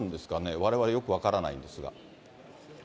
われわれよく分からないんですが。